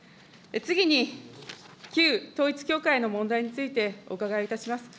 次に旧統一教会の問題についてお伺いいたします。